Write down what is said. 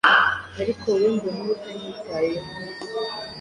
Ariko wowe, mbona uba utanyitayeho